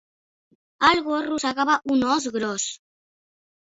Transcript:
El gos rosegava un os gros.